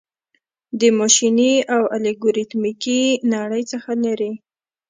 د ماشیني او الګوریتمیکي نړۍ څخه لیري